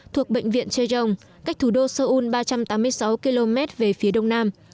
thuộc bệnh viện cheng cách thủ đô seoul ba trăm tám mươi sáu km về phía đông nam